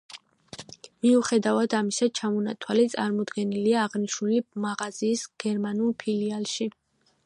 მიუხედავად ამისა, ჩამონათვალი წარმოდგენილია აღნიშნული მაღაზიის გერმანულ ფილიალში.